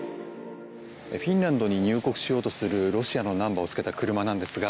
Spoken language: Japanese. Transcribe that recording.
フィンランドに入国しようとするロシアのナンバーを付けた車なんですが